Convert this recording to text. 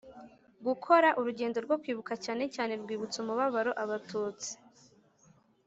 gukora urugendo rwo kwibuka cyane cyane rwibutsa umubabaro Abatutsi